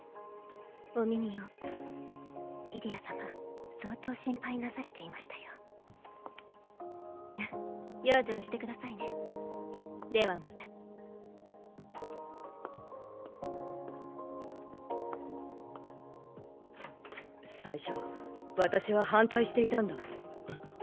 お耳をリディア様相当心配なされていましたよ養生してくださいねではまた最初私は反対していたんだえっ？